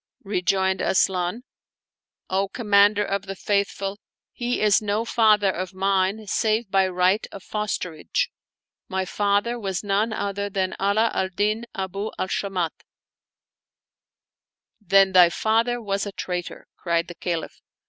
Rejoined Asian, " O Commander of the Faith ful, he is no father of mine, save by right of fosterage ; my father was none other than Ala al Din.Abu al Shamat/' " Then thy father was a traitor," cried the Caliph.